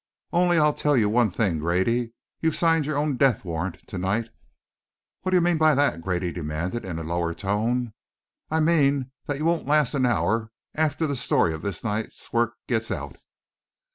Only I'll tell you one thing, Grady you've signed your own death warrant to night!" "What do you mean by that?" Grady demanded, in a lower tone. "I mean that you won't last an hour after the story of this night's work gets out."